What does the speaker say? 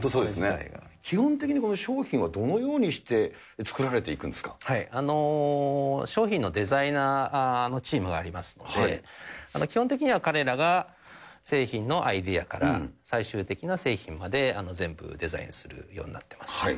基本的に商品はどのようにし商品のデザイナーのチームがありますので、基本的には彼らが製品のアイデアから、最終的な製品まで、全部でデザインするようになっています。